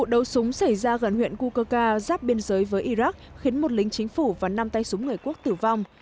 đấu súng xảy ra gần huyện kukoka giáp biên giới với iraq khiến một lính chính phủ và năm tay súng người quốc tử vong